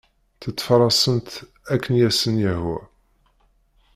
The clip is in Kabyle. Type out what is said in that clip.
Ttfarasen-tt akken i asen-yehwa.